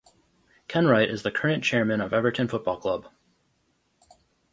Kenwright is the current chairman of Everton Football Club.